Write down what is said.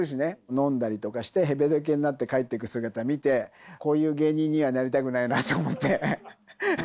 飲んだりとかして、へべれけになって帰ってく姿見て、こういう芸人にはなりたくないなと思って。